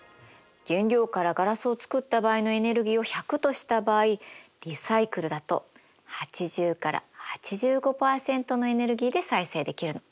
原料からガラスを作った場合のエネルギーを１００とした場合リサイクルだと８０から８５％のエネルギーで再生できるの。